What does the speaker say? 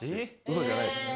嘘じゃないですよ。